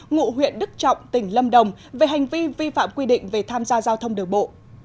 ngụ huyện đức trọng tỉnh lâm đồng về hành vi vi phạm quy định về tham gia giao thông đường bộ